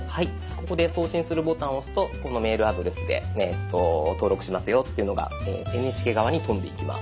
ここで「送信する」ボタンを押すとこのメールアドレスで登録しますよっていうのがＮＨＫ側に飛んでいきます。